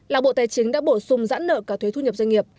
là bộ tài chính đã bổ sung giãn nợ cả thuế thu nhập doanh nghiệp